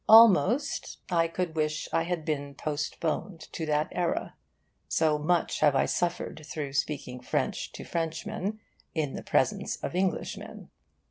Almost I could wish I had been postponed to that era, so much have I suffered through speaking French to Frenchmen in the presence of Englishmen.